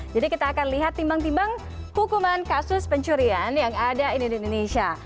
kita akan lihat timbang timbang hukuman kasus pencurian yang ada ini di indonesia